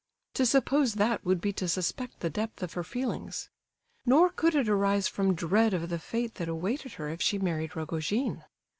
To suppose that would be to suspect the depth of her feelings. Nor could it arise from dread of the fate that awaited her if she married Rogojin.